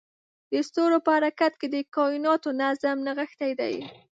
د ستورو په حرکت کې د کایناتو نظم نغښتی دی.